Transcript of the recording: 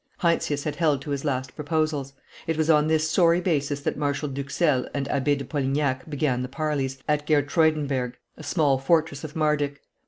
Heinsius had held to his last proposals. It was on this sorry basis that Marshal d'Huxelles and Abbe de Polignac began the parleys, at Gertruydenberg, a small fortress of Mardyk.